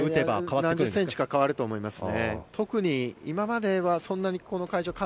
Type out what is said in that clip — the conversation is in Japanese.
何十センチか変わると思いますね。